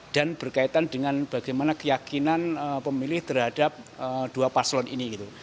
dan berkaitan dengan bagaimana keyakinan pemilih terhadap dua paslon ini gitu